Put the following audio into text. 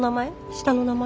下の名前？